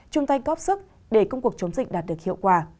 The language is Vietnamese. chúng ta góp sức để công cuộc chống dịch đạt được hiệu quả